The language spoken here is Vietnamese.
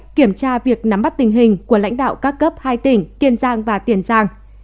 kiểm tra việc nắm bắt tình hình của lãnh đạo các cấp hai tỉnh kiên giang và tiền giang